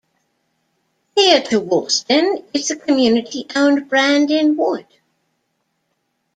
Near to Wolston is the community-owned Brandon Wood.